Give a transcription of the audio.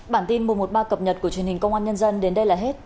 bản tin mùa một ba cập nhật của truyền hình công an nhân dân đến đây là hết